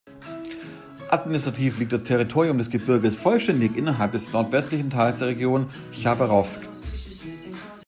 Administrativ liegt das Territorium des Gebirges vollständig innerhalb des nordwestlichen Teils der Region Chabarowsk.